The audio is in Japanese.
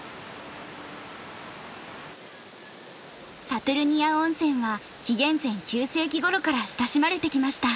サトゥルニア温泉は紀元前９世紀ごろから親しまれてきました。